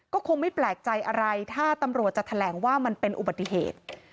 ก็คงไม่แปลกใจอะไรถ้าตำรวจจะแถลงว่ามันเป็นอุบัติเหตุ